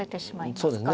そうですね。